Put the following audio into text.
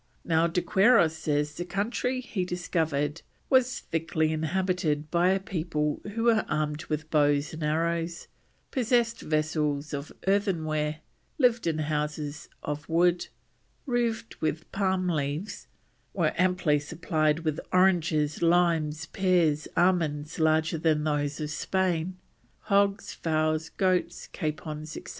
Now De Quiros says the country he discovered was thickly inhabited by a people who were armed with bows and arrows, possessed vessels of earthenware, lived in houses of wood, roofed with palm leaves, were amply supplied with oranges, limes, pears, almonds larger than those of Spain, hogs, fowls, goats, capons, etc.